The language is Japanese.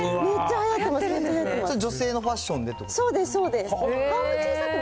それ女性のファッションでってこと？